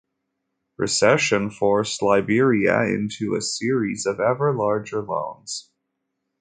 Recession forced Liberia into a series of ever larger loans.